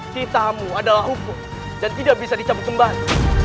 kitamu adalah hukum dan tidak bisa dicabut kembali